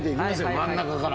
真ん中から。